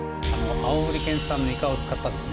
青森県産のイカを使ったですね